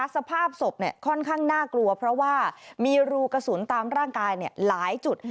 สภาพศพค่อนข้างน่ากลัวเพราะว่ามีรูกระสุนตามร่างกายหลายจุด